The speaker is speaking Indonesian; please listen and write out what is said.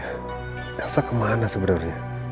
elsa kemana sebenarnya